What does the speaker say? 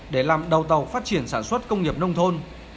để làm đầu tàu phát triển sản xuất công nghiệp nông thôn